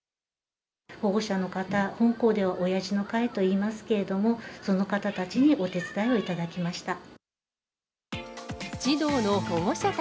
保護者の方、本校ではおやじの会といいますけれども、その方たちにお手伝いをいただきました。